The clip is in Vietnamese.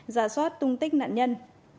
giá soát tung tích nạn nhân